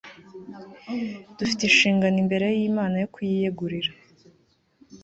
Dufite inshingano imbere yImana yo kuyiyegurira